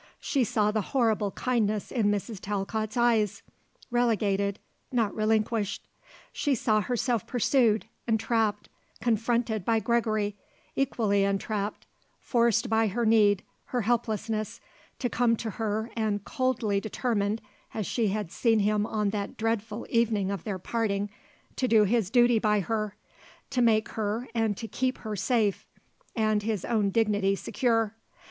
She saw the horrible kindness in Mrs. Talcott's eyes, relegated, not relinquished. She saw herself pursued, entrapped, confronted by Gregory, equally entrapped, forced by her need, her helplessness, to come to her and coldly determined as she had seen him on that dreadful evening of their parting to do his duty by her, to make her and to keep her safe, and his own dignity secure.